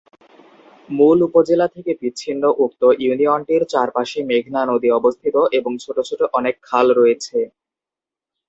মূল উপজেলা থেকে বিচ্ছিন্ন উক্ত ইউনিয়নটির চার পাশে মেঘনা নদী অবস্থিত এবং ছোট ছোট অনেক খাল রয়েছে।